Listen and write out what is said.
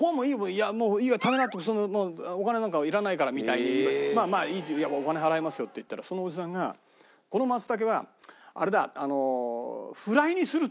「いやもういいよ食べな！」って「お金なんかいらないから」みたいに「まあまあお金払いますよ」って言ったらそのおじさんが「このマツタケはあれだフライにする」